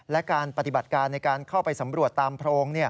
และการปฏิบัติการในการเข้าไปสำรวจตามโพรง